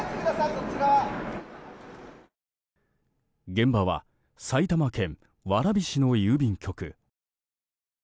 現場は埼玉県蕨市の郵便局。